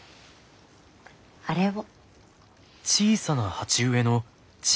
あれを。